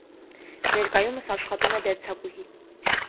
Ներկայումս աշխատում է դերձակուհի։